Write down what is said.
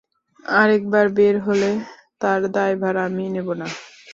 আরেকবার বের হলে তার দায়ভার আমি নেবো না।